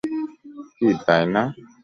কী, তাই না?